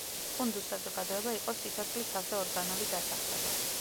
კუნდუს საზოგადოება იყო სიცოცხლით სავსე ორგანული დასახლება.